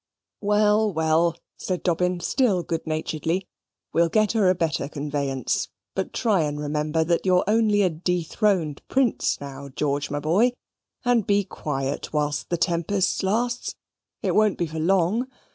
"Well, well," said Dobbin, still good naturedly, "we'll get her a better conveyance. But try and remember that you are only a dethroned prince now, George, my boy; and be quiet whilst the tempest lasts. It won't be for long.